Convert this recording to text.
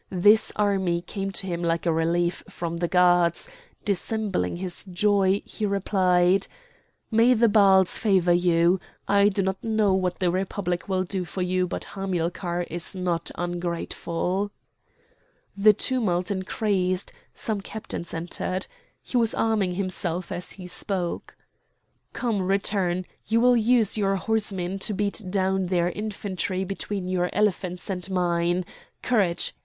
This army came to him like a relief from the gods; dissembling his joy he replied: "May the Baals favour you! I do not know what the Republic will do for you, but Hamilcar is not ungrateful." The tumult increased; some captains entered. He was arming himself as he spoke. "Come, return! You will use your horsemen to beat down their infantry between your elephants and mine. Courage!